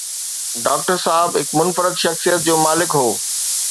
Doctor صاحب هڪ منفرد شخصيت جو مالڪ هو.